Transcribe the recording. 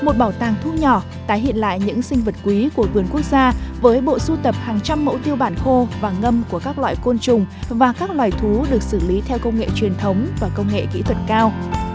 các loài thú nhỏ tái hiện lại những sinh vật quý của vườn quốc gia với bộ su tập hàng trăm mẫu tiêu bản khô và ngâm của các loài côn trùng và các loài thú được xử lý theo công nghệ truyền thống và công nghệ kỹ thuật cao